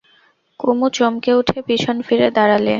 কুমু চমকে উঠে পিছন ফিরে দাঁড়ালে।